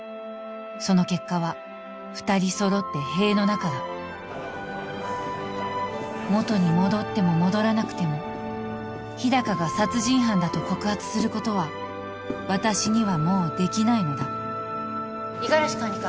その結果は２人揃って塀の中だ元に戻っても戻らなくても日高が殺人犯だと告発することは私にはもうできないのだ五十嵐管理官